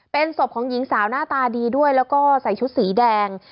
เป็นศพของหญิงสาวหน้าตาดีด้วยแล้วก็ใส่ชุดสีแดง